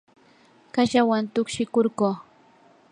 kashawan tukshikurquu.